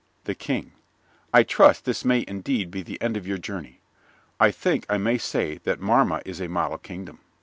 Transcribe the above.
THE KING I trust this may indeed be the end of your journey. I think I may say that Marma is a model kingdom.